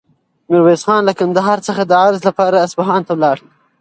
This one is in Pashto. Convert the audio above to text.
میرویس خان له کندهار څخه د عرض لپاره اصفهان ته ولاړ.